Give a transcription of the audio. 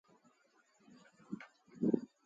جيترو ٿئي سگھي سچ ڳآلآئو